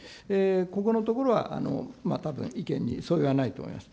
ここのところは、まあたぶん、意見に相違はないと思います。